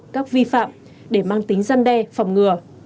các vi phạm để mang tính gian đe phòng ngừa